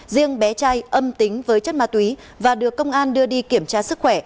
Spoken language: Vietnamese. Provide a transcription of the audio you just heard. riêng bé trai âm tính với chất ma túy và được công an đưa đi kiểm tra sức khỏe